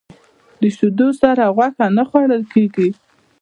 د شیدو سره غوښه نه خوړل کېږي.